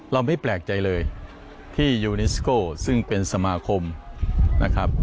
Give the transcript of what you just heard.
เราไม่แปลกใจเลยที่ยูนิสโก้ซึ่งเป็นสมาคมนะครับ